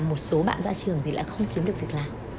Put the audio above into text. một số bạn ra trường thì lại không kiếm được việc làm